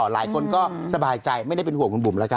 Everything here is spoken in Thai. หลายคนก็สบายใจไม่ได้เป็นห่วงคุณบุ๋มแล้วกัน